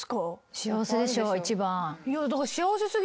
幸せでしょ一番。